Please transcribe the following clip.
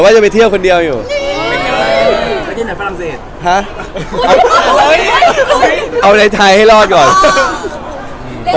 ลองอยู่คนเดียวดูครับ